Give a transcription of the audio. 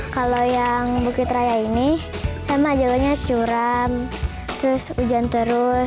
kalau yang bukit raya ini memang jawanya curam terus hujan terus